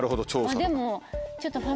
あっでもちょっと。